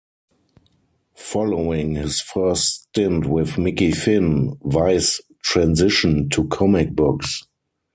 Following his first stint with "Mickey Finn", Weiss transitioned to comic books.